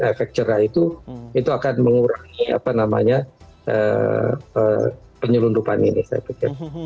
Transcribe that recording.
efek cerah itu akan mengurangi penyelundupan ini saya pikir